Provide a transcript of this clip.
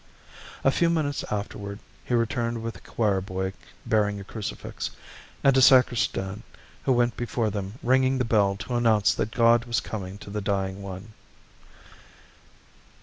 A few minutes afterward he returned with a choir boy bearing a crucifix, and a sacristan who went before them ringing the bell to announce that God was coming to the dying one.